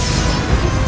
aku akan menang